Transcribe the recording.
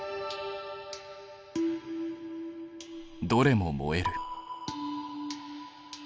どれも燃える。